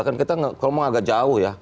tapi kita ngomong agak jauh ya